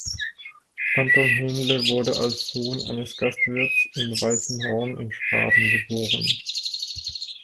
Anton Henle wurde als Sohn eines Gastwirts in Weißenhorn in Schwaben geboren.